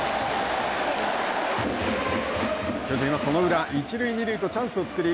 巨人はその裏一塁二塁とチャンスを作り